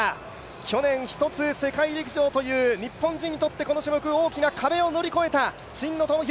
去年一つ、世界陸上という日本人にとってこの種目、大きな壁を乗り越えた真野友博。